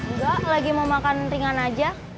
enggak lagi mau makan ringan aja